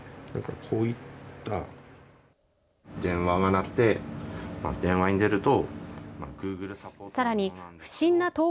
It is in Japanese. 電話が鳴って電話に出ると。